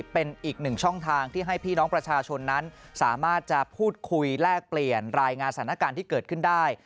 เป็นอีกหนึ่งช่องทางที่ให้พี่น้องประชาชนนั้นสามารถจะพูดคุยแลกเปลี่ยนรายงานสถานการณ์ที่เกิดขึ้นได้